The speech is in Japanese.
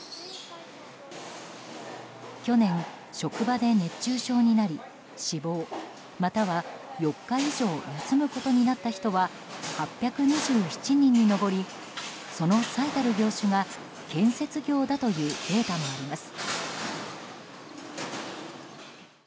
去年、職場で熱中症になり死亡、または４日以上休むことになった人は８２７人に上りその最たる業種が建設業だというデータもあります。